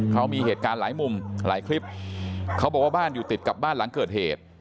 เขามีเหตุการณ์หลายมุมหลายคลิปเขาบอกว่าบ้านอยู่ติดกับบ้านหลังเกิดเหตุ